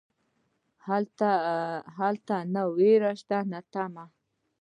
هلته نه ویره شته نه تمه.